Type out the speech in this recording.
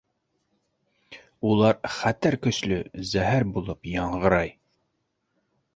Улар хәтәр көслө, зәһәр булып яңғырай!